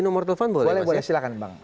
nomor telepon boleh boleh silahkan bang